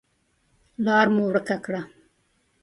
لار مو ورکه کړه .